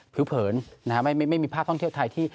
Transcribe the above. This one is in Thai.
พิ้วเผินนะฮะไม่มีภาพท่องเที่ยวไทย